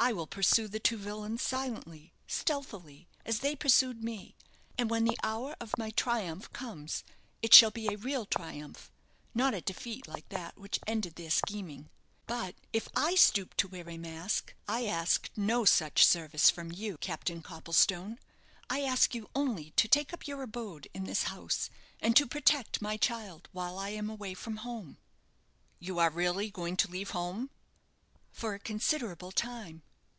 I will pursue the two villains silently, stealthily, as they pursued me; and when the hour of my triumph comes, it shall be a real triumph, not a defeat like that which ended their scheming. But if I stoop to wear a mask, I ask no such service from you, Captain Copplestone. I ask you only to take up your abode in this house, and to protect my child while I am away from home." "You are really going to leave home?" "For a considerable time."